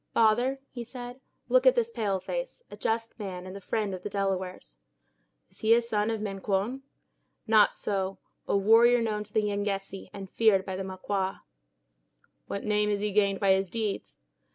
"Father," he said, "look at this pale face; a just man, and the friend of the Delawares." "Is he a son of Minquon?" "Not so; a warrior known to the Yengeese, and feared by the Maquas." "What name has he gained by his deeds?"